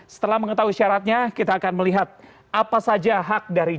setelah mengetahui syaratnya kita akan melihat apa saja hak dari